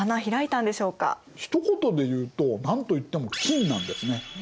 ひと言でいうとなんといっても金なんですね。